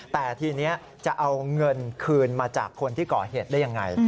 แต่ทีนี้จะเอาเงินคืนมาจากคนที่ก่อเหตุได้ยังไง